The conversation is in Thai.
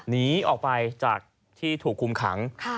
หนีออกไปจากที่ถูกคุมขัง